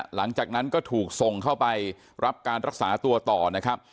หลังจากนั้นก็ถูกส่งเข้าไปรับการรักษาตัวต่อนะครับ